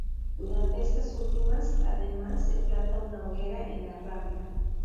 Durante estas últimas, además, se planta una hoguera en la rambla.